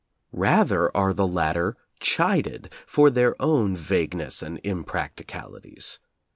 Rather are the latter chided, for their own vague ness and impracticalities.